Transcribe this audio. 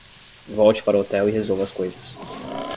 Volte para o hotel e resolva as coisas